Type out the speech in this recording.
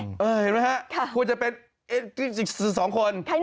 เห็นไหมฮะควรจะเป็นอีกสองคน